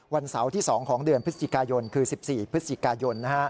วันเสาร์ที่๒ของเดือนพฤศจิกายนคือ๑๔พฤศจิกายน